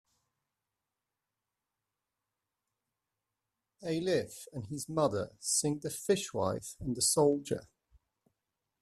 Eilif and his mother sing "The Fishwife and the Soldier".